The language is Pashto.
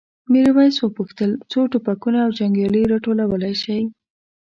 میرويس وپوښتل څو ټوپکونه او جنګیالي راټولولی شئ؟